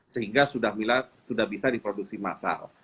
sehingga sudah bisa diproduksi massal